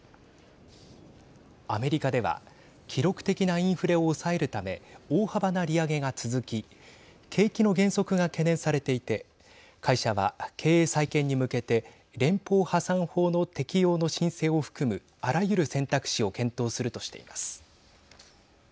アメリカでは記録的なインフレを抑えるため大幅な利上げが続き景気の減速が懸念されていて会社は経営再建に向けて連邦破産法の適用の申請を含むあらゆる選択肢を検討するとしています。